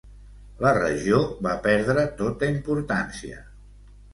La regió va perdre tota importància.